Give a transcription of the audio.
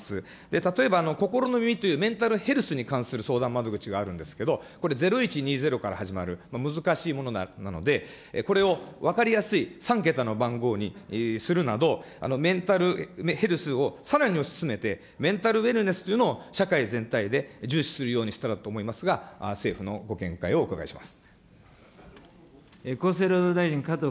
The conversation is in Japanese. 例えば心の、メンタルヘルスに関する相談窓口があるんですけれども、これ、０１２０から始まる難しいもので、これを分かりやすい３桁の番号にするなど、メンタルヘルスをさらに推し進めて、メンタルウェルネスというのを社会全体で重視するようにしたらと思いますが、政府のご見解をお伺いします。